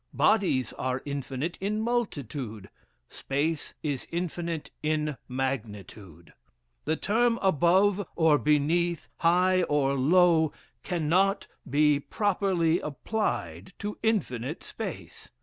Bodies are infinite in multitude; space is infinite in magnitude. The term above, or beneath, high or low, cannot be properly applied to infinite space.